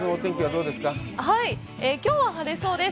きょうは晴れそうです。